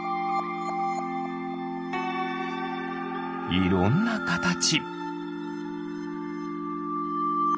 いろんなかたち。